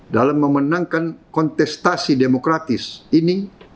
dalam memenangkan kontestasi demokratis ini